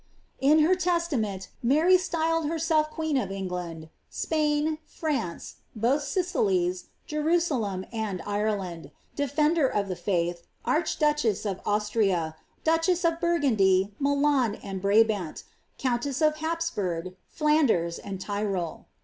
aE93 In her testament, Mary styled herself queen of England, Spain, France, both Sicilies, Jerusalem, and Ireland, dander of the fiuth, archduchess of Austria, duchess of Burgundy, Milan, and Brabant, countess of Haps burg , Flanders, and Tyrol.